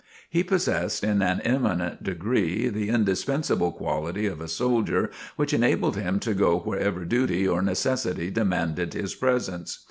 He possessed in an eminent degree the indispensable quality of a soldier which enabled him to go wherever duty or necessity demanded his presence.